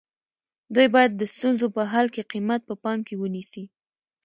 دوی باید د ستونزو په حل کې قیمت په پام کې ونیسي.